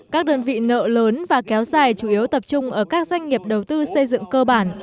các đơn vị nợ lớn và kéo dài chủ yếu tập trung ở các doanh nghiệp đầu tư xây dựng cơ bản